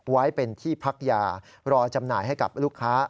ไว้เป็นที่พักยารอจำหน่ายให้กับลูกค้า